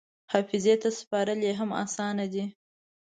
حافظې ته سپارل یې هم اسانه دي.